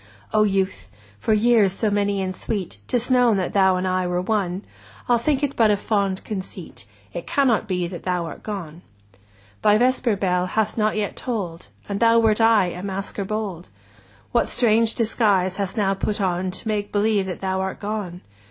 O Youth! for years so many and sweet, 25 'Tis known that thou and I were one; I'll think it but a fond conceit— It cannot be that thou art gone! Thy vesper bell hath not yet toll'd— And thou wert aye a masker bold! 30 What strange disguise hast now put on, To make believe that thou art gone?